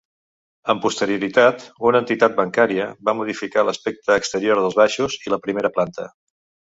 Amb posterioritat, una entitat bancària va modificar l'aspecte exterior dels baixos i la primera planta.